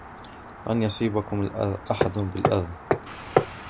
لن يصبكم أحد بالأذى.